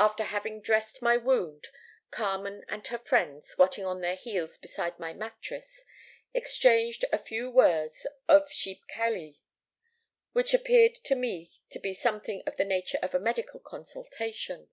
After having dressed my wound, Carmen and her friend, squatting on their heels beside my mattress, exchanged a few words of 'chipe calli,' which appeared to me to be something in the nature of a medical consultation.